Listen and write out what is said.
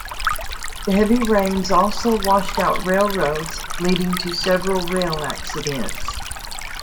The heavy rains also washed out railroads, leading to several rail accidents.